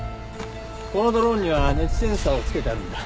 このドローンには熱センサーをつけてあるんだ。